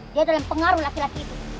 dia dalam pengaruh laki laki itu